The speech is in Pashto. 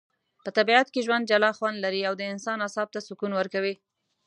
په طبیعت کي ژوند جلا خوندلري.او د انسان اعصاب ته سکون ورکوي